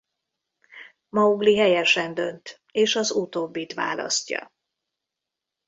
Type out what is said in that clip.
Maugli helyesen dönt és az utóbbit választja.